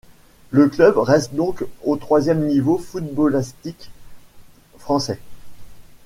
Le club reste donc au troisième niveau footballistique français.